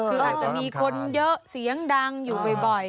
คืออาจจะมีคนเยอะเสียงดังอยู่บ่อย